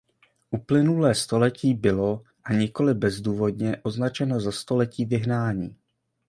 Uplynulé století bylo, a nikoli bezdůvodně, označeno za století vyhnání.